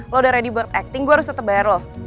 lo udah ready buat acting gue harus tetep bayar lo